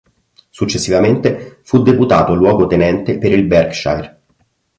Successivamente fu Deputato Luogotenente per il Berkshire.